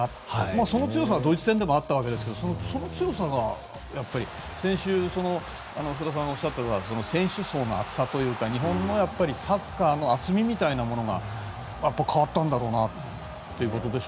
その強さはドイツ戦でもあったわけですがその強さが先週、福田さんがおっしゃっていた選手層の厚さというか日本のサッカーの厚みみたいなものが変わったんだろうなと。